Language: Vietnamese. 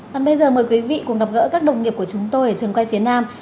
còn bây giờ mời quý vị cùng gặp gỡ các đồng nghiệp của chúng tôi ở trường quay phía nam